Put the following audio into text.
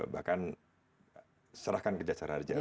bahkan serahkan ke jasa raja